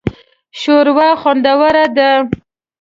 شوروا خوندوره ده